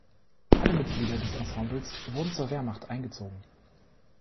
Alle Mitglieder des Ensembles wurden zur Wehrmacht eingezogen.